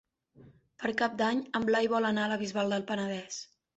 Per Cap d'Any en Blai vol anar a la Bisbal del Penedès.